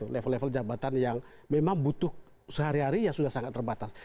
level level jabatan yang memang butuh sehari hari ya sudah sangat terbatas